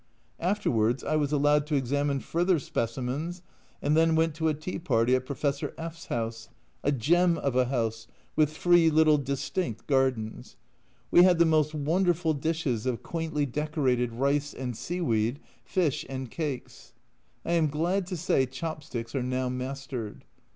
Afterwards I was allowed to examine further specimens, and then went to a tea party at Professor F 's house a gem of a house, with three little distinct gardens. We had the most wonderful dishes of quaintly decorated rice and sea weed, fish, and cakes. I am glad to say chop sticks A Journal from Japan 7 are now mastered.